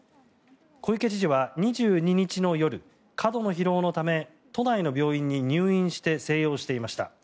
小池知事は２２日の夜過度の疲労のため都内の病院に入院して静養していました。